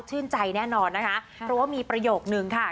ชื่นใจแน่นอนนะคะเพราะว่ามีประโยคนึงค่ะ